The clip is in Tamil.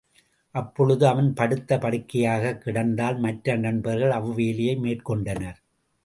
அப்பொழுது அவன் படுத்த படுக்கையாக் கிடந்ததால், மற்ற நண்பர்கள் அவ்வேலையை மெற்கொண்டனர்.